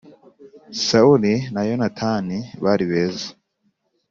Sawuli na Yonatani bari beza